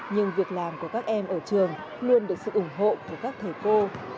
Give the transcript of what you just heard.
nhưng việc làm của các em ở trường luôn được sự ủng hộ của các thầy cô